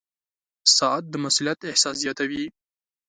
• ساعت د مسؤولیت احساس زیاتوي.